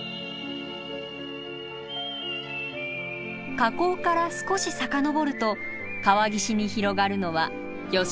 河口から少し遡ると川岸に広がるのはヨシ原。